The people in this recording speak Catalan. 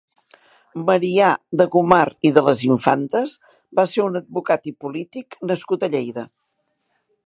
Marià de Gomar i de las Infantas va ser un advocat i polític nascut a Lleida.